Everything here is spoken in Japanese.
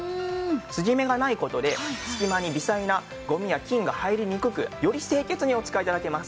継ぎ目がない事で隙間に微細なゴミや菌が入りにくくより清潔にお使い頂けます。